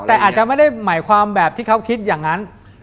แต่อาจจะไม่ได้หมายความแบบที่เขาคิดอย่างนั้น